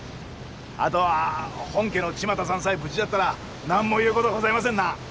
あとは本家の千万太さんさえ無事じゃったら何も言う事はございませんな。